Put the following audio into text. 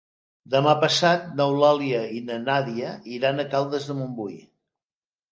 Demà passat n'Eulàlia i na Nàdia iran a Caldes de Montbui.